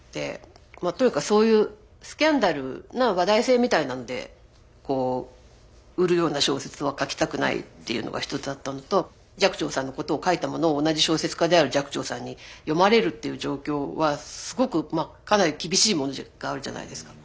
というかそういうスキャンダルな話題性みたいなので売るような小説は書きたくないっていうのが一つあったのと寂聴さんのことを書いたものを同じ小説家である寂聴さんに読まれるっていう状況はすごくかなり厳しいものがあるじゃないですか。